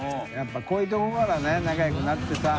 こういうとこからね仲良くなってさ。